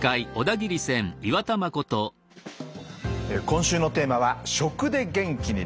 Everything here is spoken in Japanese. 今週のテーマは「『食』で元気に！」